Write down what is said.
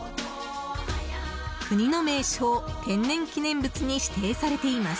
国の名勝・天然記念物に指定されています。